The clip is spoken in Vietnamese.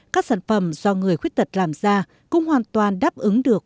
các sản phẩm do người khuyết tật làm ra cũng hoàn toàn đáp ứng được